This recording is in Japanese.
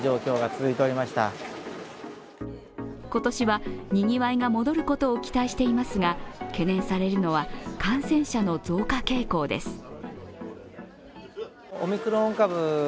今年はにぎわいが戻ることを期待していますが懸念されるのは、感染者の増加傾向です。